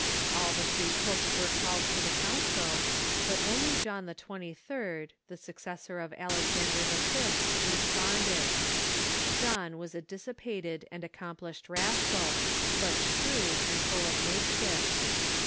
All tlie three popes were called to the council, but only John XXIII., the successor of Alexan der v., responded. John Avas a dissipated and accomplished rascal, but shrewd and full of makeshifts.